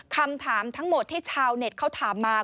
คำถามทั้งหมดที่ชาวเน็ตเขาถามมา